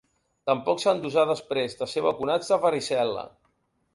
Tampoc s'han d'usar després de ser vacunats de varicel·la.